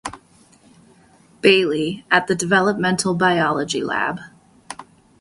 Bailey at the Developmental Biology Lab.